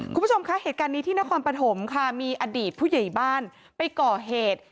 คุณผู้ชมคะเหตุการณ์นี้ที่นครปฐมค่ะมีอดีตผู้ใหญ่บ้านไปก่อเหตุ